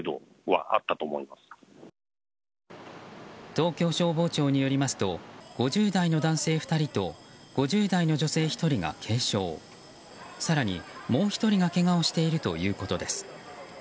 東京消防庁によりますと５０代の男性２人と５０代の女性１人が軽傷更に、もう１人がけがをしているということです。